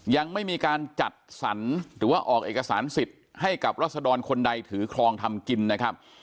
ยังไม่มีการจัดสรรหรือว่าออกเอกสารสิทธิ์ให้กับรัศดรคนใดถือครองทำกินนะครับ